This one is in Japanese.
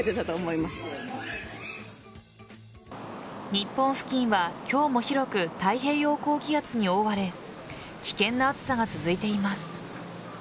日本付近は今日も広く太平洋高気圧に覆われ危険な暑さが続いています。